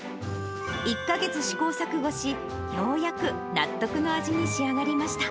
１か月試行錯誤し、ようやく納得の味に仕上がりました。